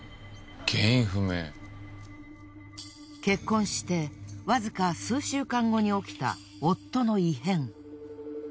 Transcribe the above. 結婚してわずか数週間後に起きた夫の異変。